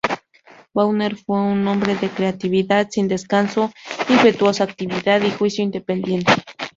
Bauer fue un hombre de una creatividad sin descanso, impetuosa actividad y juicio independiente.